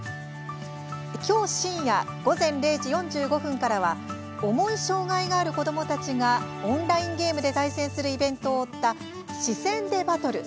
今日、深夜午前０時４５分からは重い障害がある子どもたちがオンラインゲームで対戦するイベントを追った「視線でバトル！